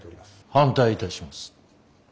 反対いたします。